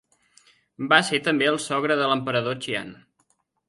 Va ser també el sogre de l'Emperador Xian.